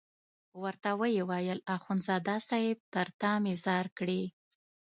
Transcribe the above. ورته ویې ویل اخندزاده صاحب تر تا مې ځار کړې.